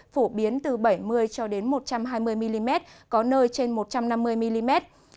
phổ biến từ bảy mươi cho đến một trăm hai mươi mm có nơi trên một trăm năm mươi mm